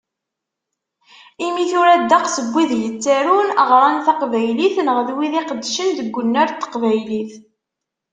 Imi tura ddeqs n wid yettarun, ɣran taqbaylit neɣ d wid iqeddcen deg unnar n teqbaylit